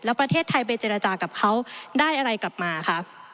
แล้วประเทศไทยไปเจรจากับเขาได้อะไรกลับมาคะ